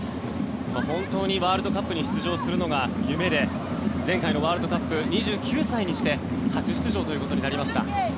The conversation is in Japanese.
本当にワールドカップに出場するのが夢で前回のワールドカップ２９歳にして初出場ということになりました。